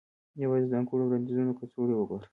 یوازې د ځانګړو وړاندیزونو کڅوړې وګوره